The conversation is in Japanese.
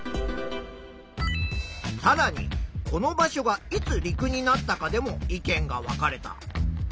さらにこの場所がいつ陸になったかでも意見が分かれた。